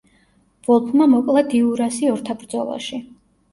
ვოლფმა მოკლა დიურასი ორთაბრძოლაში.